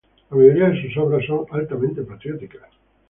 La mayoría de sus obras son altamente patrióticas.